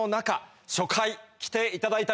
初回来ていただいた皆さん